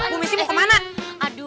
bu messi mau kemana